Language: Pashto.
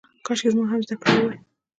کاشکې ما هم زده کړه کړې وای.